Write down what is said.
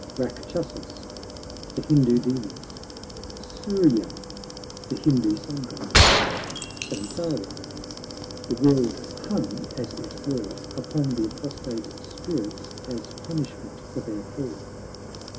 RACKCHASOS The Hindoo demons. SURYA The Hindoo sun god. SANSARA The world hung, as it were, upon the apostate spirits as punishment for their fall.